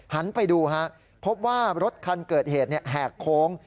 หันไปดูพบว่ารถคันเกิดเหตุแหกโค้ง